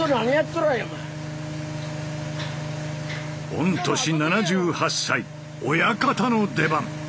御年７８歳親方の出番。